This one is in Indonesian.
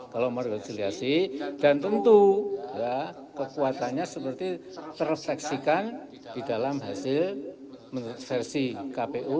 kalau merokok siliasi dan tentu kekuatannya seperti terseksikan di dalam hasil versi kpu